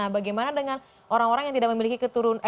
bagaimana dengan orang orang yang tidak memiliki keturunan